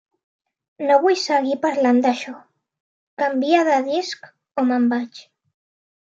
No vull seguir parlant d'això. Canvia de disc o me'n vaig.